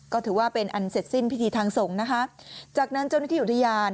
ก็ถือว่าเป็นอันเสร็จสิ้นพิธีทางสงฆ์นะคะจากนั้นเจ้าหน้าที่อุทยาน